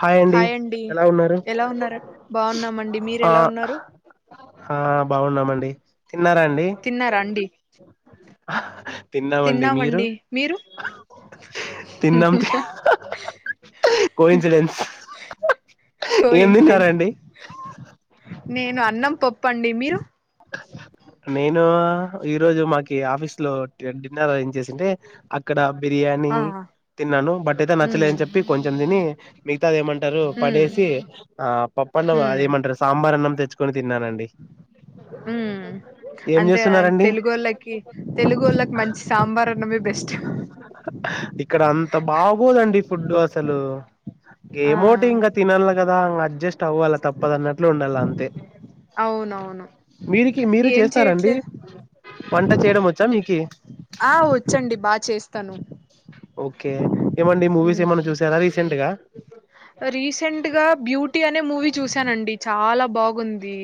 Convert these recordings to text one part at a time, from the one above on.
Hi అండి ఎలా ఉన్నారు ఎలా ఉన్నారు బాగున్నామండి మీరు ఆ ఎలా ఉన్నారు ఆ బాగున్నామండి తిన్నారా అండి తిన్నారా అండి తిన్నామ్ అండి మీరు తిన్నామండి మీరు తిన్నామ్ కో ఇన్సూరెన్స్ కో ఏం తిన్నార్ ఇన్సిడెన్స్ అండి నేను అన్నం పప్పండి మీరు నేనూ ఈ రోజు మాకి ఆఫీస్ లో డి డిన్నర్ అరేంజ్ చేసింటే అక్కడ బిర్యానీ ఆ తిన్నాను బట్ అయితే ఉమ్ నచ్చలేదు అని చెప్పి కొంచెం తిని మిగతా ఏమంటే టారు ఉమ్ పడేసి ఆ పప్పు అన్నం ఉమ్ అదేమంటారు సాంబార్ అన్నం తెచ్చుకొని తిన్నానండి ఉమ్ ఏం అంతే ఆ చేస్తున్నారండి తెలుగు వొళ్ళకి తెలుగుళ్ళకి మంచి సాంబార్ అన్నమే బెస్ట్ ఇక్కడ అంత బాగోదండి ఫుడ్డు అసలు ఆ ఏమోటి ఇంక తినల్ల గదా ఇంగా అడ్జస్ట్ అవ్వాలా తప్పదన్నట్లు ఉండాల్ల అంతే అవునవును మీరికి మీరు ఏం చేస్తారా అండి చేయట్లేదు వంట చేయడం వొచ్చా మీకి ఆ వచ్చండి బాగా చేస్తాను ఓకే ఏమండి మూవీస్ ఏమన్నా చూసారా రీసెంట్ గా రీసెంట్ గా బ్యూటీ అనే మూవీ చూసానండి చాలా బాగుంది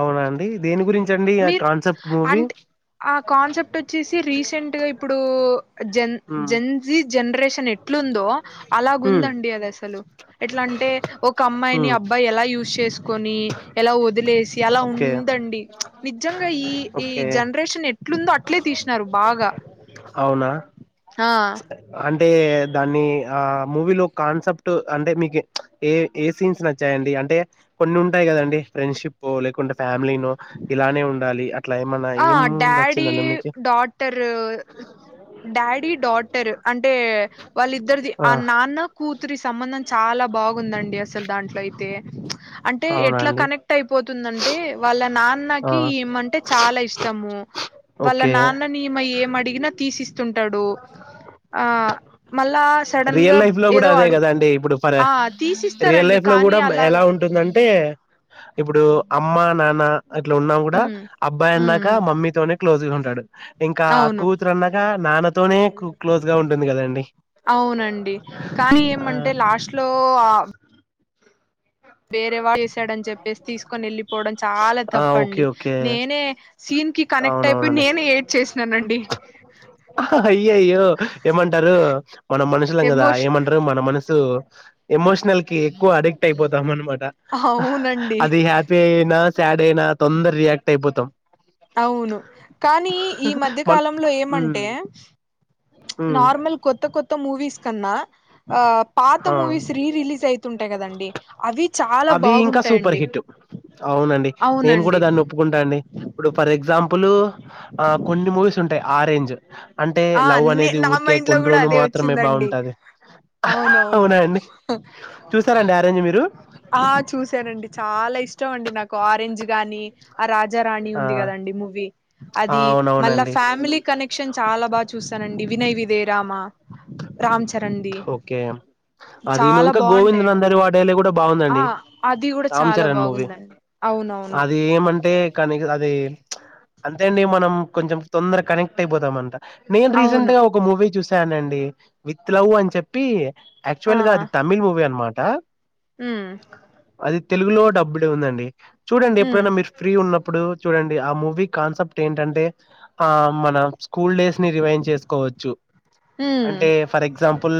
అవునా అండి దేని గురించండి ఆ మీరు కాన్సెప్ట్ మూవీ అంటే ఆ కాన్సెప్ట్ వచ్చేసి రీసెంట్ గా ఇప్పుడు జన్ ఉమ్ జన్జీ జనరేషన్ న్ ఎట్ల ఉందొ అలాగా ఉమ్ ఉందండి అది అసలు ఎట్లా అంటే ఒక అమ్మాయిని ఉమ్ అబ్బాయి ఎలా యూ యూస్ చేసుకొని ఎలా వదిలేసి అలా ఓకే ఉందండి ప్చ్ నిజంగా ఈ ఈ ఓకే జనరేషన్ ఎట్లుందో అట్లే తిష్ణారు బాగా అవునా ఆ అంటే దాన్ని ఆ మూవీలో కాన్సెప్ట్ అంటే మీకు ప్చ్ ఏ ఏ సీన్స్ నచ్చాయండ్ అంటే కొన్ని ఉంటాయి గదండి ఫ్రెండ్షిప్పో లేకుంటే ఫ్యామిలీ నో ఇలానే ఉండాలి అట్లా ఏమన్నా ఆ ఏం డాడీ నచ్చిందండి మీకి డాటర్ డాడీ డాటర్ అం టే వాళ్ళిద్దరిది ఆ నాన్న కూతురి సంబంధం చాలా బాగుంది అండి అసలు దాంట్లో అయితే ప్చ్ అంటే అవునా ఎట్లా అండి కనెక్ట్ అయిపోతుందంటే వాళ్ళ ఆ నాన్నకి ఇమంటే చాలా ఇష్టము వాళ్ళ ఓకే నాన్ననిమ ఎం అడిగినా తీసిస్తుంటాడు ఆ మళ్ళా సడన్ గా ఏదో ఆడుగ్ పరే రియల్ లైఫ్ లో గూడ ఎలా అలాగా ఉంటుందం అంటే ఇపుడు అమ్మ నాన్న అట్లా ఉన్నా గూడ ఉమ్ అబ్బాయి ఉమ్ అన్నాక ఉమ్, మమ్మీతోనే క్లోజ్ గా ఉంటాడు ఇంకా అవును కూతురు అన్నాక నాన్నతోనే కో క్లోజ్ గా ఉంటుంది గదా అండి అవునండి కానీ ఏమంటే లాస్ట్ లో ఆ వేరే వాడు చేసాడని చెప్పేసి తీసుకొని వెళ్ళిపోవడం చాలా ఆ ఓకే తప్పండి ఓకే నేనే సీన్ కి కనెక్ట్ అయిపోయి అవునవునండి నేను ఏడ్చేసిననండి. హ హ అయ్యో అయ్యో ఏమంటారు మన మనుషులం గదా ఎమోష్ ఏమంటారు మన మనసు. ఎమోషనల్ కి ఎక్కువ అడిక్ట్ అయిపోతాం అనమాట అవునండి అది హ్యాపీ అయినా. స్యాడైనా తొందర్రియాక్ట్ అయిపోతం అవును కానీ ఈ మన్ మధ్యకాలంలో ఉమ్ ఏమంటే ప్చ్ ఉమ్ నార్మల్ కొత్త కొత్త మూవీస్ కన్నా ఆ పాత ఆ మూవీస్ రీ రిలీజ్ అయితుంటయి కదండి అవి చాలా అవి ఇంకా సూపర్ బాగుంటయండి హిట్ అవునండి నేను కూడా దాన్ని ఒప్పుకుంటాండి ఇపుడు ఫర్ ఎగ్జాంపుల్. ఆహ్ కొన్ని మూవీస్ ఉంటాయి ఆరెంజ్. అంటే ఆ లవ్ అన్ని అనేది నా ఊరికే మైండ్ లో కూడా కొండ్రోజులు అదే మాత్రమే వచ్చిందండి బాగుంటాది. అవునవును అవునాండి చూసారండి ఆరేంజ్ మీరు. ఆహ్ చూశానండి చాలా ఇష్టం అండి నాకు ఆరెంజ్ గాని ఆ రాజ్. రాజ రాణి ఆ ఉంది కదండి మూవీ ఆ! అది మళ్ళ అవునవునండి ఫ్యామిలీ కనెక్షన్ చాలా బాగా. చూసానండి వినయ్ విదయ రామ రాంచరణ్ దీ. ఓకే అది నువ్వు చాలా ఇంకా గోవింద్ బాగుంటయండి నందరి వాడేలే కూడా బాగుందండి అహ అది కూడా రామ్ చాలా చరణ్ మూవీ బాగుందండి అవ్. అది ఏమంటే కానీ అది ప్చ్ అంతేండి మనం. కొంచెం తొందర కనెక్ట్ అయిపోతమంట నేన్ రీసెంట్ అవును గా ఒక మూవీ చూశానండి విత్ లవ్ అన్. చెప్పి ఆ యాక్చువల్ గా అది తమిళ్ మూవీ అన్మాట. ఉమ్. అది తెలుగులో డబ్బుడ్ ఉందండి చూడండి ఉమ్ ఎప్పుడన్నా మీరు ఫ్రీ ఉన్నప్పు. ఇపుడు చూడండి ఆ మూవీ కాన్సెప్ట్ ఏంటంటే ఆహ్ మన ప్చ్. స్కూల్ డేస్ని రివైన్ చేసుకోవచ్చు ఉమ్ అంటే ఫర్ ఎగ్జాంప్. ఉమ్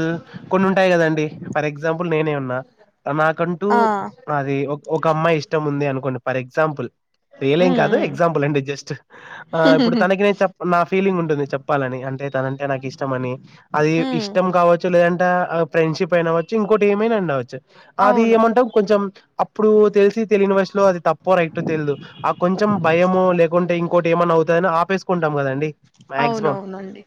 కొన్ని ఉంటాయి కదండి ఫర్ ఎగ్జాంపుల్ నేనే ఉన్నా. నాకంటూ ఆ అది ఒక్ ఒకమ్మాయి ఇష్టం ఉంది అనుకోండి ఫర్ ఎగ్జాంపుల్. రియలేం ఉమ్ కాదు ఉమ్ ఎగ్జాంపుల్ అండి జస్ట్ ఆహ్ ఇపుడు తనకి నేను చెప్తున్న ఆ ఫీలింగ్ ఉంటుంది చెప్పాలని. అంటే తనంటే నాకిష్టమని అది ఉమ్ ఇష్టం కావొచ్చు. లేదంటే ఫ్రెండ్షిప్ ఐనవచ్చు ఇంకోటేమైనా ఉండవచ్చు అది అవును ఏమంటం కొంచెం. అప్పుడు తెలిసి తెలీని వయసులో అది తప్పో రైటో తెల్దు ఆహ్ కొంచెం భయమో లేకుంటే ఇం. ఇంకోటేమన్నా అవుతాయని ఆపేసుకుంటం కదండి మ్యాగ్జిమం అవునవునండి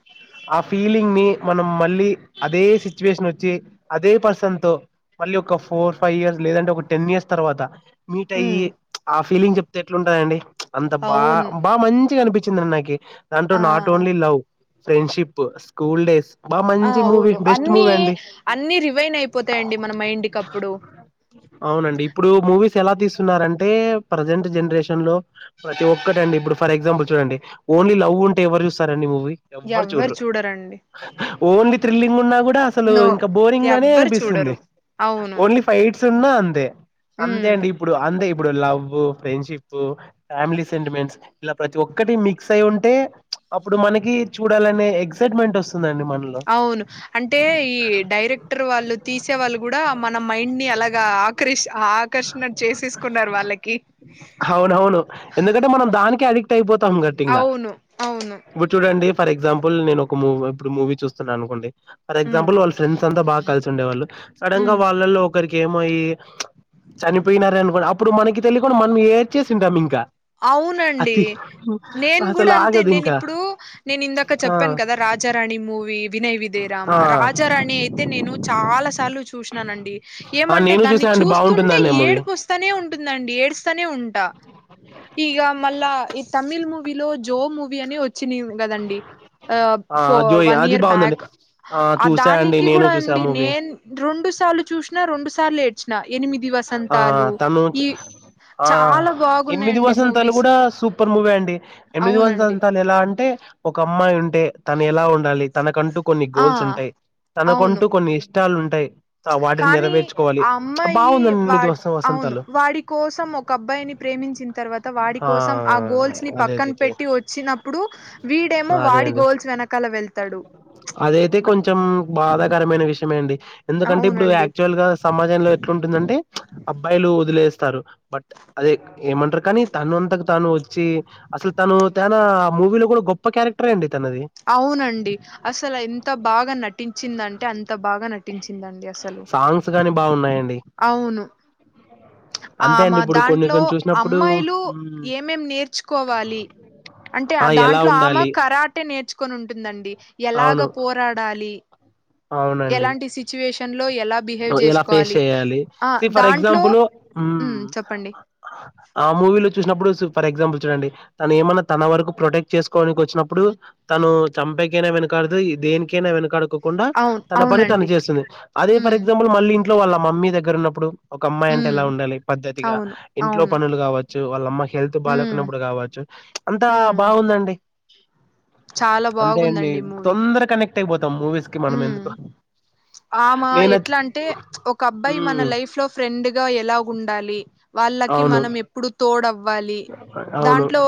ఆ ఫీలింగ్. మీ మనం మళ్ళీ అదే సిచ్యువేషన్ వొచ్చి అదే పర్సన్ తో. మళ్ళీ ఒక ఫోర్ ఫైవ్ ఇయర్స్ లేదంటే ఒక టెన్ ఇయర్స్ తర్వాత. ఉమ్ మీటయ్యి ప్చ్ ఆ ఫీలింగ్ జెప్తే ఎట్లుంటందండి ప్చ్ అంత బా అవును బా మంచిగనిపిచ్. నచ్చిందండి నాకి దట్ నాట్ ఆ only love friendship school days. బా ఆహ్ మంచి మూవీ అవును బెస్ట్ అన్నీ మూవీ అండి అన్ని రివైన్ ఐపోతయండి మన మైండ్కిప్పుడు. అవునండి ఇప్పుడు మూవీస్. ఎలా తీస్తున్నారంటే ప్రజెంట్ జెన్రేషన్ లో ప్రతి ఒక్కటండి ఇపుడు ఫర్ ఎగ్జాంపుల్ చూడండి. ఓన్లీ లవ్ ఉంటే ఎవరు జూస్తారండి మూవీ ఎవ్వరు జూడ్రు ఓన్లీ థ్రిల్లింగ్ ఉన్నా గుడ్. కూడ అసలు నో ఇంకా బోరింగానే ఎవ్వరు అనిపిస్తుంది చూడరు అవును ఓన్లీ ఫైట్స్. సున్నా అంతే అంతే ఉమ్ అండి ఇపుడు అంతే. ఇప్పుడు లవ్వు ఫ్రెండ్షిప్పు ఫ్యామిలీ సెంటిమెంట్స్ ఇలా ప్రతి ఒక్కటి మిక్స్ అయి ఉంటే ప్చ్. అప్పుడు మనకి చూడాలనే ఎగ్జాట్మెంట్ వొస్తుందండి మనలో. అవును అంటే ఈ డైరెక్టర్ వాళ్ళు తీసే వాళ్ళు కూడా మన మైండ్ ని అలాగా ఆకర్ష్. ఆకర్షణ చేసేస్కున్నారు వాళ్ళకి. అవునవును ఎందుకంటే మనం దాన్. మొత్తం గట్టింగా అవును అవును ఇపుడు చూడండి. ఫర్ ఎగ్జాంపుల్ నేనొక మూవి ఇపుడు మూవీ చూస్తున్ననుకోండి ఉమ్ ఫర్ఎగ్జాంపుల్ వాళ్ళ ఫ్రెండ్స్ అంత బాగా కాల్సుండే వాళ్ళు. సడన్గా ఉమ్ వాళ్ళలో ఒకరికేం. పోయి ప్చ్ చనిపోయినర్నుకొని అప్పుడు మనకి తెలీకుండా మనం ఏడ్చేసింటాం ఇంకా. అవునండి. అతి నేను అసలు గూడా అంతే ఆగదు ఇంకా నేనిపుడు నేనిందాక ఆ చెప్పాను కదా రాజారాణి మూవీ వినయ్. విదేయ ఆ రామ రాజారాణి అయితే నేను చాలా సా. సలు చూశినానండి ఆ ఏమంటే నేను దాన్ని చూసా అండి చూస్తుంటే బాగుంటుందండి ఆ మూవీ ఏడిపోస్తానే ఉంటుందండి ఏడుస్తానే ఉంట్ ఉంటా ఇగ మళ్లా ఈ తమిళ్ మూవీలో జో మూవీ అని వచ్చినయ్ గదండి. ఆహ్ ఆ ఫో జోయి వన్ అది ఇయర్ బాగుందండి బ్యాక్. ఆ చూసా అండి అదానికి నేను కూడా చూసా ఆ అండి మూవీ నేన్ రొండు సార్లు చూసినా రొండు సార్లు ఏ అ తనుచ్ ఈ ఆ చాలా ఎనిమిది బాగున్నాయండి వసంతాలు మూవీస్ కూడా సూపర్ మూవీ అండి ఎనిమిది అవునండి వసంతాలు ఎలా అంటే ఒక అమ్మాయి ఉంటే తనేల ఉండాలి తనకంటూ కొన్ని ఆ గోల్స్ ఉంటాయి అవును తనకంటూ కొన్ని ఇష్టాలు ఉంటాయి వాటిని కానీ నెరవేర్చుకోవాలి ఆ అమ్మాయి బాగుందం వాడ్ అవును వాడి కోసం ఒక అబ్బాయిని ప్రేమించిన్ తర్వాత వాడి కోసం ఆ గోల్స్ ని అదే పక్కన అదే పెట్టి అదే వచ్చినప్పుడు వీడేమో అదే వాడి అండి గోల్స్ వెనకాల వెళ్తాడు అదైతే కొంచెం బాధాకరమైన విషయమండి ఎందుకంటే ఇప్పుడు అవునండి యాక్చ్యువల్ గా సమాజంలో ఎట్లుందంటే అబ్బాయిలు వదిలేస్తారు బట్ అదే ఏమంటారు కానీ తను అంతట తను వచ్చి అసలు తను తనా మూవీలో కూడా గొప్ప క్యారెక్టరె అండి తనది అవునండి అసలు ఎంత బాగా నటించిందంటే అం అంత బాగా నటించిందండి అసలు సాంగ్స్ గాని బాగున్నాయండి అవును అంతే ఆమ అండి ఇప్పుడు కొన్ని దాంట్లో కొన్ని చూసినప్పుడు అమ్మాయిలు మ్మ్ ఏమేమ్ నేర్చుకోవాలి అంటే ఆ ఎలా దాంట్లో ఆమె ఉండాలి కరాటే నేర్చ్ కొనిఉంటుందండి ఎలాగ అవును పోరాడాలి అవునండి ఎలాంటి సిట్యుయేషన్ ఎలా ఫేస్ చేయాలి ఆ ఫి ఫర్ దాంట్లో ఎగ్జాంపుల్ ఉమ్ ఆ మూవీలో చూసినప్పుడు సు ఫర్ ఎగ్జాంపుల్ చూడండి తను ఎమన్న తన వరకు ప్రొటెక్ట్ చేసుకోవనికి వచ్చినప్పుడు తను చం పైకైన వెనకడతయి దేనికైనా వెనకాడకు కుండా అవును తన పని తను అవునండి చేస్తది అదే ఫర్ ఉమ్ ఎగ్జాంపుల్ మళ్ళీ ఇంట్లో వాళ్ళ మమ్మీ దగ్గర ఉన్నప్పుడు ఒక అమ్మాయి అంటే ఉమ్ ఎలా ఉండాలి పద్ధతిగా అవును ఇంట్లో అవును పనులు కావచ్చు వాలమ్మా హెల్త్ ఉమ్ బాలెకనప్పుడు కావచ్చు అంతా ఉమ్ బాగుందండి చాలా అంతే అండి బాగుందండి మూవీ తొందరగా కనెక్ట్ అయిపోతాం మూవీస్కి మనం ఎందుకొ ఉమ్ ఆమె ఎట్లా అంటే ఒక అబ్బాయి మన లైఫ్ లో ఫ్రెండ్ గా ఎలా ఉండలి వాళ్లకి అవును మనం ఎప్పుడు తొడవ్వలి అవును దాంట్లో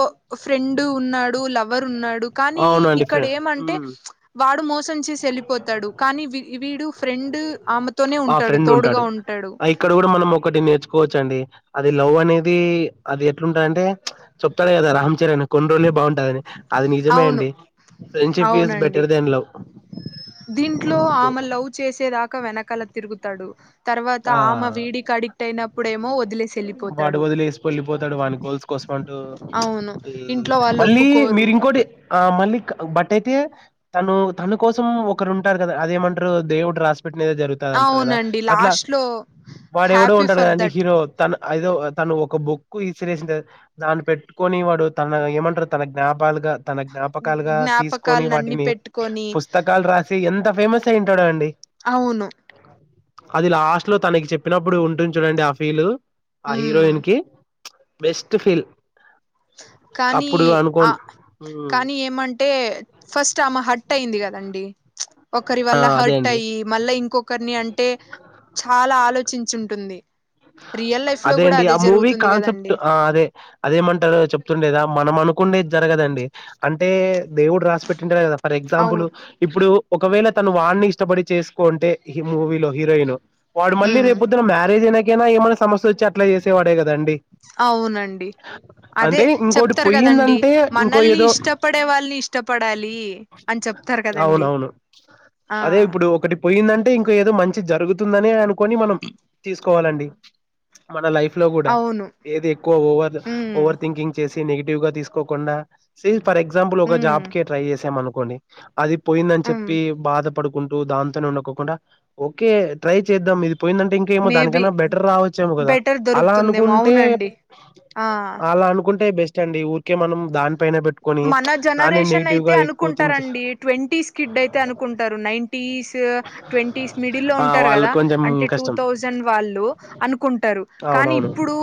ఫ్రెండ్ ఉన్నాడు లవర్ ఉన్న కానీ అవునండి ఇక్కడ ఏమంటే ఫ్రెండ్ వాడు మోసం చేసి ఎళ్లిపోతాడు కానీ వి ఫ్రెండ్ ఆమెతోనే ఆ ఉంటాడు ఫ్రెండ్ తోడుగా ఉంటాడు కోవచండి అది లవ్ అనేది అది ఎట్లుంటందంటే చెప్తాడు కదా రామ్ చరణ్ కొన్ని రోజులే బాగుంటదని అది నిజమే అవును అండి ఫ్రెండ్షిప్ ఇజ్ అవునండి బెటర్ దెన్ లవ్ దీంట్లో ఆమె లవ్ చేసేదాకా వెనకాల తిరుగుతాడు తర్వాత ఆ ఆమె వీడికి అడిక్ట్ అయినప్పుడేమో వదిలేసి వాడు వెళ్లిపోతాడు వదిలేసి వెళ్ళిపోతాడు వాని గోల్స్ అంటూ మ్ మళ్ళీ ఒప్పుకోరు మీరింకోటి ఆ మళ్ళీ బట్ అయితే తను తన కోసం ఒకరు ఉంటారు కదా అదేమంటరు దేవుడు రాస్ పెట్టినది జరుగుతాదంటారు కదా అవునండి అట్ల లాస్ట్‌లో వాడెవడో హ్యాపీ ఉంటాడు ఫర్ కానీ దట్ హీరో తన ఐదో తను ఒక బుక్ ఇసిరేసింద్ దాని పెట్టుకొని వాడు తన ఏమంటారు తన జ్ఞా కలుగ తన జ్ఞాపకలుగా తీసుకొని జ్ఞాపకాలనన్నీ వాటిని పెట్టుకొని పుస్తకాలు రాసి ఎంత ఫేమస్ తై ఉంటడండి అవును అది లాస్ట్ లో తనకి చెప్పినప్పుడు ఉంటుంది చూడండి ఆ ఫీల్ ఆ హ్మ్. హీరోయిన్ కి బెస్ట్ ఫీల్ కానీ అప్పుడు ఆ అనుకోన్ హ్మ్ కానీ ఏమంటే ఫస్ట్ ఆమ హట్ట్ అయింది గదండి ఒకరి ఆ వల్ల అదే హట్ట్ అండి అయ్యి మళ్లా ఇంకొకరిని అంటే చాలా ఆలోచించుంటుంది రియల్ లైఫ్‌లో అదే గూడా అండి ఆ మూవీ జరుగుతుంది కాన్సెప్ట్ గదండీ. ఆ అదే అదేమంటారు చెప్తుండేద మనం అనుకుండేది జరగదండి అంటే దేవుడు రాసి పెట్టుకుంటే గదా ఫర్ ఎగ్జాంపుల్ అవును. ఇప్పుడు ఒకవేళ తను వాన్ని ఇష్టపడి చేసుకొంటే ఈ మూవీలో హీరోయిన్ వాడు మళ్ళీ హ్మ్. రేప్ పోద్దునా మ్యారేజ్ అయికైనా ఏమై సమస్య వచ్చి అట్ల చేసే వాడే కదండి అవునండి అదే అంటే ఇంకోటి చెప్తారు కదండి పోయిందంటే ఇంకో మనల్ని ఏదో ఇష్టపడే వాళ్ళ ఇష్ట పడాలి అని చెప్తారు కదండి అవునవును అదే ఇప్పుడు ఒకటి పోయిందంటే ఇంక ఏదో మంచి జరుగుతుందనే, అనుకొని మనం తీసుకోవాలండి. మన లైఫ్ లో కూడా అవును. ఏది ఎక్కువ ఓవర్ హ్మ్. ఓవర్ థింకింగ్ చేసి నెగిటివ్ గా తీసుకోకుండా సెల్ఫ్ ఫర్ ఎగ్జాంపుల్ ఒక ఉమ్ జాబ్ కి ట్రై చేసాం అనుకోండి. అది పోయింద అని ఉమ్ చెప్పి బాధ పడుకుంటూ దాంతోనే ఉండకోకుండా ఓకే ట్రై చేద్దాం. ఇది పోయిందంటే ఇంకేమో దానికి మేబి నా బెటర్ రావచ్చేమో కదా. బెటర్ అలా దొరుకుతుందేమో అనుకుంటే అవునండి ఆ అలా అనుకుంటే బెస్ట్ స్ట్ అండి ఊరికే మనం దాన్ మన జనరేషన్ అయితే ఎక్కువ థింక్ చే అనుకుంటారండి. ట్వంటీస్ కిడ్ అయితే అనుకుంటారు. నైంటీస్ ట్వంటీస్ మిడిల్ లో ఆ ఉంటారు వాళ్ళు కదా కొంచెం అంటే టూ కష్టం థౌసండ్ వాళ్లు అనుకుంటరు కానీ అవునవును ఇప్పుడు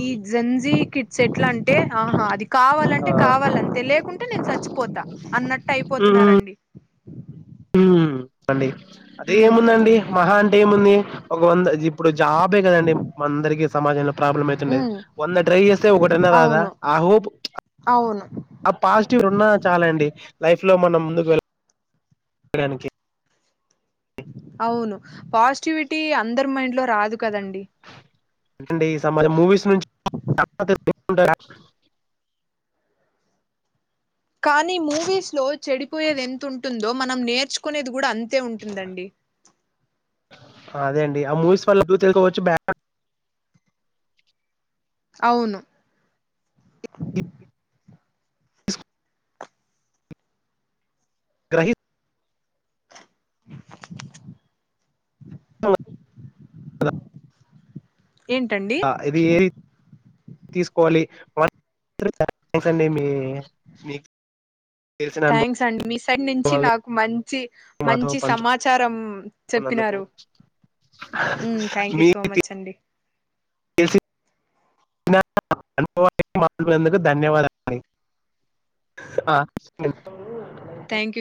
ఈ జంజీ కిట్స్ ఎట్లా అంటే ఆహా అది ఆ కావాలంటే కావాలంతే లేకుంటే నేను చచ్చిపోతా అన్నట్టు అయిపోతున్నారండి. ఉమ్ అండి అదే ఉమ్ ఏముందండి మహా అంటే ఏముంది ఒక వంద ఇప్పుడు జాబే కదండి. అందరికి సమా సమాజంలో ప్రాబ్లెమ్ అయితుండది. ఉమ్ వంద ట్రై చేస్తే ఒకటన్న రాదా అవును ఆ హోప్ అవును ఆ పాజిటివ్ ఉన్న చాలా అండి. లైఫ్ లో మనం ముందుకు వెళ్ చెప్పడానికి అవును పాజిటివిటీ అందరు మైండ్ లో రాదు కదండి. అండి ఈ సమాజంలో మూవీస్ నుంచి [unintelligible] కానీ మూవీస్ లో చెడిపోయేది ఎంతుంటుందో, మనం నేర్చుకునేది కూడా అంతే ఉంటుందండి. అదే అండి ఆ మూవీస్ వల్ల తెలుకోవచ్చు బ్యా అవును గ్రహిప్ ఏంటండి అ ఇది ఏది తీసుకోవాలి అండి మీ మీ థ్యాంక్స్ అండి మీ సైడ్ నుంచి నాకు మంచి మాతో మంచి సమాచారం చెప్పినారు. థ్యాంక్ యూ సో మీది మచ్ అండి అనుందుకు ధన్యవాదాలండి. ఆ థ్యాంక్ యూ